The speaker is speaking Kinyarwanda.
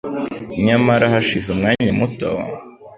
Nyamara hashize umwanya muto;